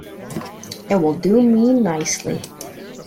It will do me nicely.